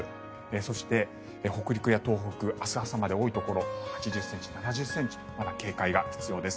そして、北陸や東北明日朝まで多いところ８０ｃｍ、７０ｃｍとまだ警戒が必要です。